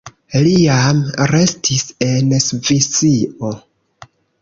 Li jam restis en Svisio.